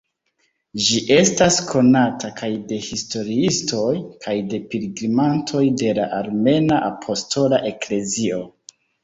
Ĝi estas konata kaj de historiistoj kaj de pilgrimantoj de la Armena Apostola Eklezio.